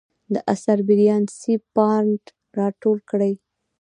دا اثر بریان سي بارنټ راټول کړی.